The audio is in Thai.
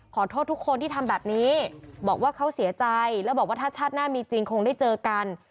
ขอโทษทุกคนที่ทำแบบนี้บอกว่าเขาเสียใจแล้วบอกว่าถ้าชาติหน้ามีจริงคงได้เจอกัน